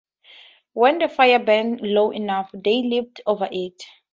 When the fire burned low enough, they leaped over it.